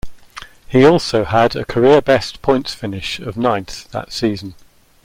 He also had a career-best points finish of ninth that season.